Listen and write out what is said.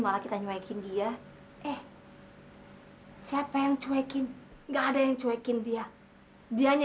malah kita nyoekin dia eh siapa yang cuekin enggak ada yang cuekin dia dianya